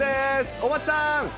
大町さん。